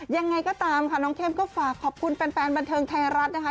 ยังไงก็ตามค่ะน้องเข้มก็ฝากขอบคุณแฟนบันเทิงไทยรัฐนะคะ